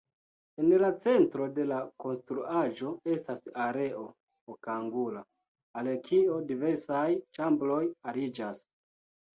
En la centro de la konstruaĵo estas areo okangula, al kio diversaj ĉambroj aliĝas.